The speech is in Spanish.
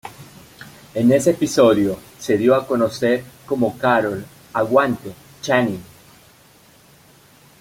En ese episodio se dio a conocer como Carol ""Aguante"" Channing.